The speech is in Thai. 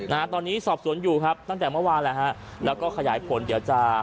นะฮะตอนนี้สอบสวนอยู่ครับตั้งแต่เมื่อวานแล้วฮะแล้วก็ขยายผลเดี๋ยวจะ